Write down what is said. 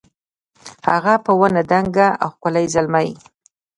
هغه په ونه دنګ او ښکلی زلمی